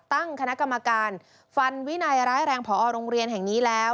ตั้งคณะกรรมการฟันวินัยร้ายแรงพอโรงเรียนแห่งนี้แล้ว